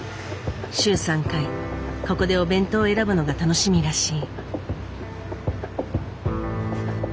週３回ここでお弁当を選ぶのが楽しみらしい。